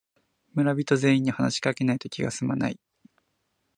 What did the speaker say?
村人全員に話しかけないと気がすまない